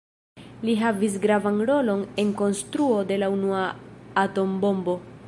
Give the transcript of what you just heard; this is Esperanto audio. Li havis gravan rolon en konstruo de la unua atombombo.